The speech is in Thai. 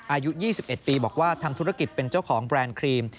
อายุ๒๑ปีบอกว่าทำธุรกิจเป็นเจ้าของแบรนด์ครีม